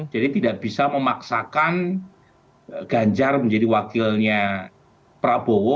jadi tidak bisa memaksakan ganjar menjadi wakilnya prabowo